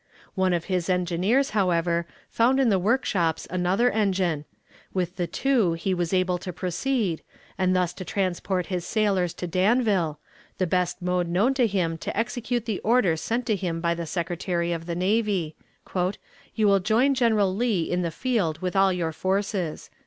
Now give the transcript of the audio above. One of his engineers, however, found in the workshops another engine; with the two he was able to proceed, and thus to transport his sailors to Danville, the best mode known to him to execute the order sent to him by the Secretary of the Navy, "You will join General Lee in the field with all your forces."